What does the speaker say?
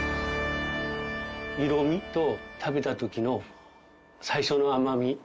色味と食べた時の最初の甘み。